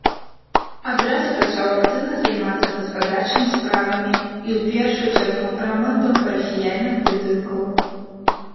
Адразу пачаў актыўна займацца гаспадарчымі справамі і ў першую чаргу рамонтам парафіяльных будынкаў.